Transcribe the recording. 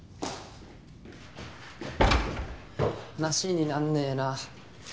話になんねえな。